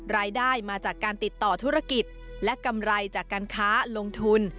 รายได้มาจากการติดต่อธุรกิจและกำไรจากการค้าลงทุน